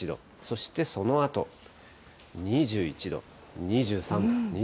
そしてそのあと、２１度、２３度、２４度。